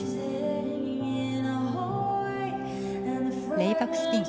レイバックスピン。